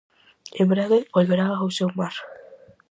En breve, volverá ao seu mar.